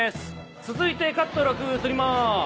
続いてカット６移ります。